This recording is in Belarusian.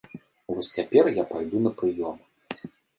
Вось цяпер я пайду на прыём.